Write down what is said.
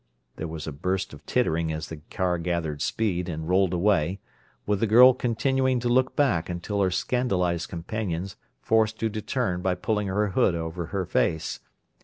There was a burst of tittering as the car gathered speed and rolled away, with the girl continuing to look back until her scandalized companions forced her to turn by pulling her hood over her face.